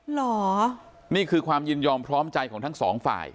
เหรอนี่คือความยินยอมพร้อมใจของทั้งสองฝ่าย